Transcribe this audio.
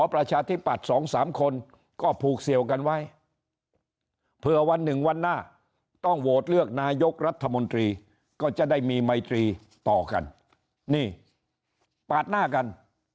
ประชาธิปัตย์สองสามคนก็ผูกเสี่ยวกันไว้เผื่อวันหนึ่งวันหน้าต้องโหวตเลือกนายกรัฐมนตรีก็จะได้มีไมตรีต่อกันนี่ปาดหน้ากัน